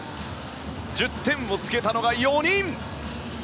１０点をつけたのが４人。